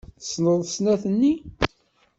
Tessneḍ snat-nni?